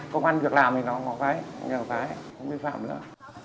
công an việc làm thì nó không phải không phải không biên phạm nữa